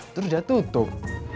terus dia tutup